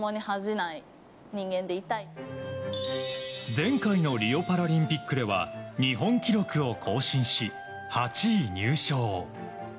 前回のリオパラリンピックでは日本記録を更新し、８位入賞。